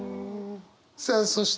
さあそして